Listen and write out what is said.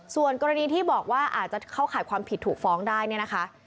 ส่วนกรณีที่บอกว่าอาจจะเข้าข่ายความผิดถูกฟ้องได้เนี่ยนะคะ